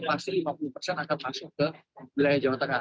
pasti lima puluh persen akan masuk ke wilayah jawa tengah